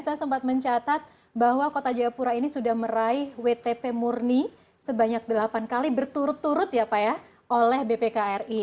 saya sempat mencatat bahwa kota jayapura ini sudah meraih wtp murni sebanyak delapan kali berturut turut ya pak ya oleh bpkri